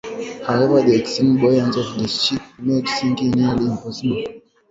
However, the extreme buoyancy of the ship made sinking nearly impossible.